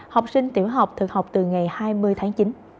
học sinh tiểu học thực học từ ngày hai mươi tháng chín